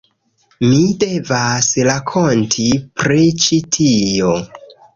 Mi devas rakonti pri ĉi tio.